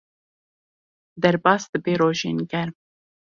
Derbas dibe rojên germ.